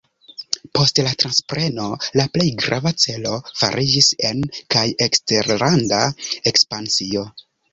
Post la transpreno la plej grava celo fariĝis en- kaj eksterlanda ekspansio.